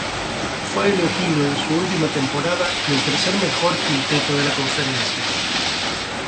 Fue elegido en su última temporada en el tercer mejor quinteto de la conferencia.